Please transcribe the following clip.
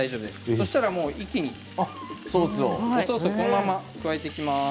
そうしたら一気にソースをこのまま加えていきます。